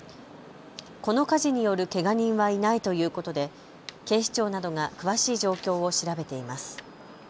この火事によるけが人はいないということで警視庁などが詳しい状況を調べています。